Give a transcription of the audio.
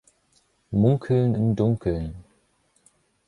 Munkeln im Dunkeln.